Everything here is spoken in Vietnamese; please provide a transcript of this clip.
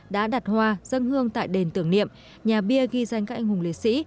đã đặt hoa dân hương tại đền tưởng niệm nhà bia ghi danh các anh hùng liệt sĩ